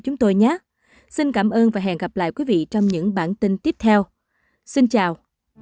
chúng tôi nhé xin cảm ơn và hẹn gặp lại quý vị trong những bản tin tiếp theo xin chào